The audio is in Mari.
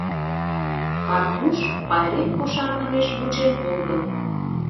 Карпуш пайрем кошаргымеш вучен огыл.